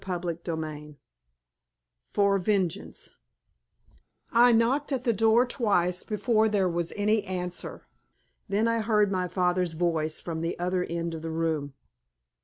CHAPTER XIII FOR VENGEANCE I knocked at the door twice before there was any answer. Then I heard my father's voice from the other end of the room.